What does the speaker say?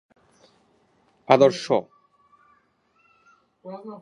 পূর্ববর্তী সম্পর্কের দ্বারা প্রদত্ত বলের একটি দিক রয়েছে, কিন্তু চাপের কোন দিক নেই।